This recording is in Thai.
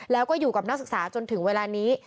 แล้วก็อยู่กับนักศึกษาจนถึงเวลานี้